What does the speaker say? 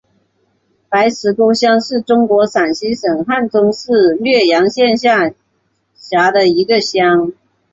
白石沟乡是中国陕西省汉中市略阳县下辖的一个乡。